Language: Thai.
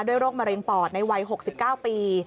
โรคมะเร็งปอดในวัย๖๙ปี